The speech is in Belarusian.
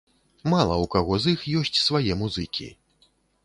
Мала ў каго з іх ёсць свае музыкі.